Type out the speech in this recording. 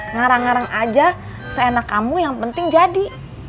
ngarang ngarang aja seenak kamu yang penting jadi